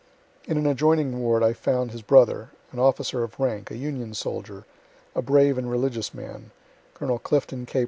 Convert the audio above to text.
In an adjoining ward I found his brother, an officer of rank, a Union soldier, a brave and religious man, (Col. Clifton K.